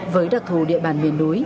với đặc thù địa bàn miền núi